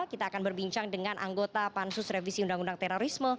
kita akan berbincang dengan anggota pansus revisi undang undang terorisme